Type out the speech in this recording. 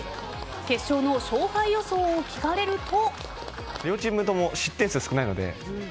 決勝の勝敗予想を聞かれると。